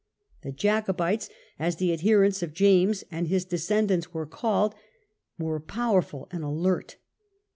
The Jacobites, as the adherents of James and his descendants were called, were powerful and alert.